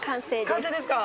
完成ですか？